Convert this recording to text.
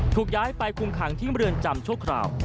ถูกย้ายไปคุงขังที่เมื่อเดือนจำชกคราว